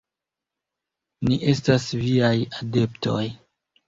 Ni estas viaj adeptoj.